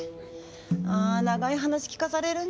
あ長い話聞かされるんじゃ。